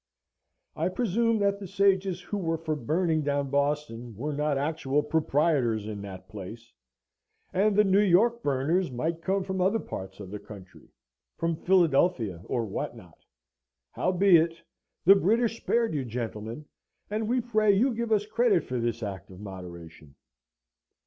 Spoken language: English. I presume that the sages who were for burning down Boston were not actual proprietors in that place, and the New York burners might come from other parts of the country from Philadelphia, or what not. Howbeit, the British spared you, gentlemen, and we pray you give us credit for this act of moderation.